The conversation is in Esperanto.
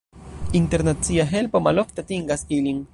Internacia helpo malofte atingas ilin.